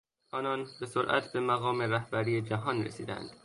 آنان به سرعت به مقام رهبری جهان رسیدند.